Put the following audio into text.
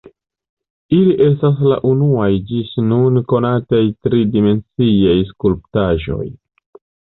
Ili estas la unuaj ĝis nun konataj tri-dimensiaj skulptaĵoj.